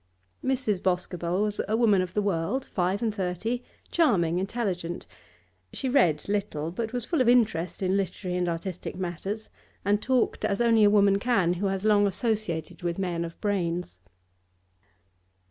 Mrs. Boscobel was a woman of the world, five and thirty, charming, intelligent; she read little, but was full of interest in literary and artistic matters, and talked as only a woman can who has long associated with men of brains.